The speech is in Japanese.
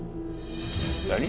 何？